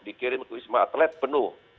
dikirim ke wisma atlet penuh